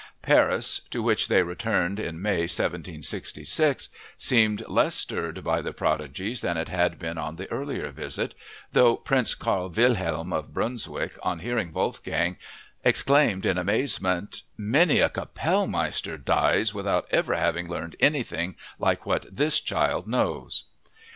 Paris, to which they returned in May 1766, seemed less stirred by the prodigies than it had been on the earlier visit, though Prince Karl Wilhelm of Brunswick, on hearing Wolfgang, exclaimed in amazement, "Many a kapellmeister dies without ever having learned anything like what this child knows!"